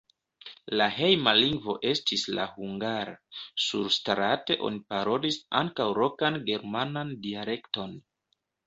La hejma lingvo estis la hungara, surstrate oni parolis ankaŭ lokan germanan dialekton.